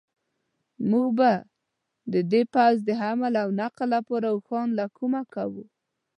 موږ به د دې پوځ د حمل و نقل لپاره اوښان له کومه کوو.